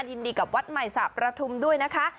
ยินดีกับวัดใหม่สระประทุมด้วยนะคะ